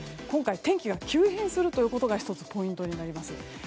今回、天気が急変することが１つポイントになります。